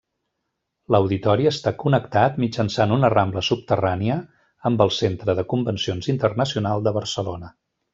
L'auditori està connectat mitjançant una rambla subterrània amb el Centre de Convencions Internacional de Barcelona.